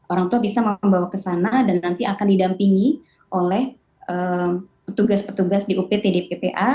orang tua bisa membawa ke sana dan nanti akan didampingi oleh petugas petugas di upt dppa